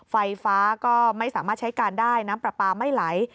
ไฟฟ้าก็ไม่สามารถใช้การได้น้ำปลาปลาไม่ไหล